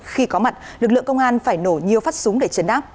khi có mặt lực lượng công an phải nổ nhiều phát súng để chấn áp